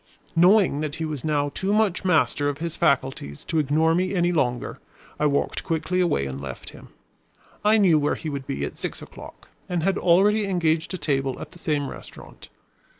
Knowing that he was now too much master of his faculties to ignore me any longer, I walked quickly away and left him. I knew where he would be at six o'clock and had already engaged a table at the same restaurant.